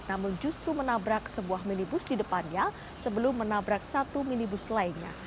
namun justru menabrak sebuah minibus di depannya sebelum menabrak satu minibus lainnya